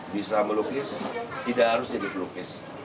bisa melukis tidak harus jadi pelukis